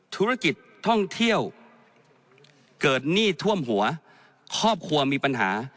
ธุรกิจท่องเที่ยวเกิดหนี้ท่วมหัวครอบครัวมีปัญหา